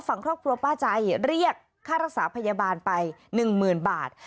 ฝั่งครอบครัวป้าใจเรียกค่ารักษาพยาบาลไป๑๐๐๐บาท